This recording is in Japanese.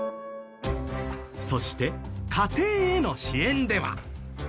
そして家庭への支援では。